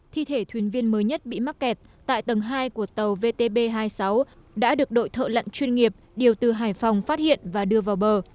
thi thể thuyền viên mới nhất bị mắc kẹt tại tầng hai của tàu vtb hai mươi sáu đã được đội thợ lặn chuyên nghiệp điều từ hải phòng phát hiện và đưa vào bờ